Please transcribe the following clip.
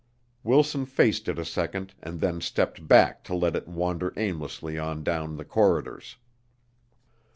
Wilson faced it a second and then stepped back to let it wander aimlessly on down the corridors.